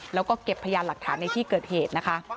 แล้วก็เก็บพยานหลักฐานในที่เกิดเหตุนะคะ